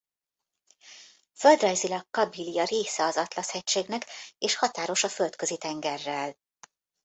Földrajzilag Kabilia része az Atlasz-hegységnek és határos a Földközi-tengerrel.